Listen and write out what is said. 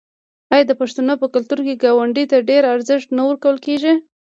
آیا د پښتنو په کلتور کې ګاونډي ته ډیر ارزښت نه ورکول کیږي؟